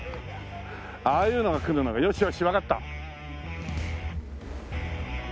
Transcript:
ああいうのが来るのよしよしわかった。